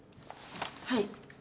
はい。